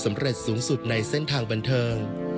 สำเร็จสูงสุดในเส้นทางบันเทิง